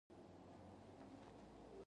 آیا د حج نه د تسبیح او اوبو راوړل دود نه دی؟